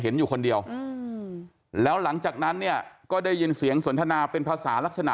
อยู่คนเดียวแล้วหลังจากนั้นเนี่ยก็ได้ยินเสียงสนทนาเป็นภาษาลักษณะ